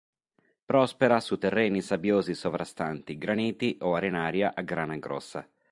Prospera su terreni sabbiosi sovrastanti graniti o arenaria a grana grossa.